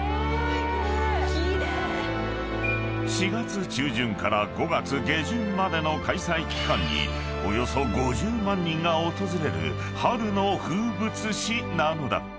［４月中旬から５月下旬までの開催期間におよそ５０万人が訪れる春の風物詩なのだ］